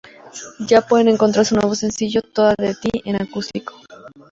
Ya pueden encontrar su nuevo sencillo "Toda De Ti" en acústico